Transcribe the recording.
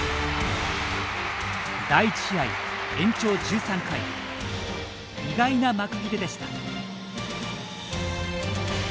第１試合、延長１３回意外な幕切れでした。